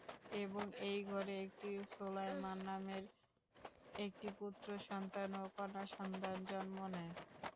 এবং এই ঘরে একটি সুলায়মান নামে একটি পুত্র সন্তান ও কন্যা সন্তান জন্ম নেয়।